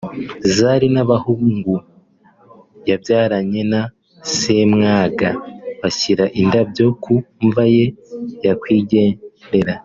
Zari n'abahungu yabyaranye na Ssemwanga bashyira indabyo ku mva ya nyakwigendera